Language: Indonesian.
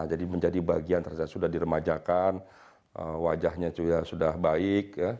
jadi menjadi bagian sudah diremajakan wajahnya sudah baik